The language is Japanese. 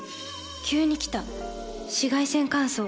急に来た紫外線乾燥。